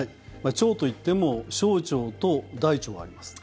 腸といっても小腸と大腸があります。